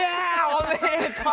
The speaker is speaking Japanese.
おめでとう！